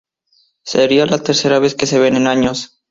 Sería la tercera vez que se ven en años.